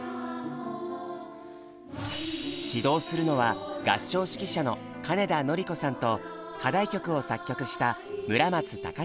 指導するのは合唱指揮者の金田典子さんと課題曲を作曲した村松崇継さん。